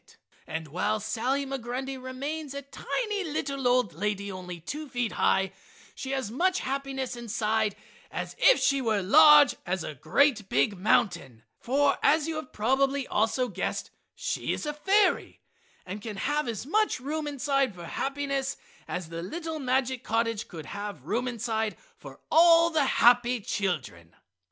And, while Sally Migrundy remains a tiny little lady only two feet high, she has as much happiness inside as if she were as large as a great big mountain, for as you have probably also guessed, she is a fairy and can have as much room inside for happiness as the little magic cottage could have room inside for all the happy children.